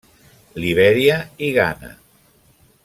Libèria i Ghana.